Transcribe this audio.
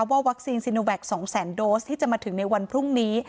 วัคซีนซีโนแวค๒แสนโดสที่จะมาถึงในวันพรุ่งนี้